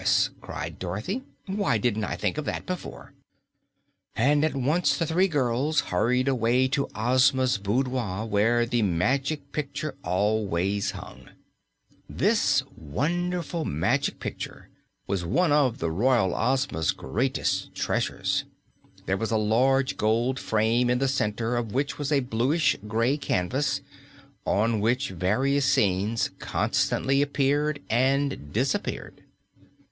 cried Dorothy. "Why didn't I think of that before?" And at once the three girls hurried away to Ozma's boudoir, where the Magic Picture always hung. This wonderful Magic Picture was one of the royal Ozma's greatest treasures. There was a large gold frame in the center of which was a bluish gray canvas on which various scenes constantly appeared and disappeared.